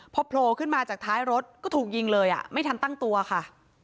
พอโผล่ขึ้นมาจากท้ายรถก็ถูกยิงเลยไม่ทันตั้งตัวค่ะ